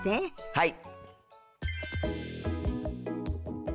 はい。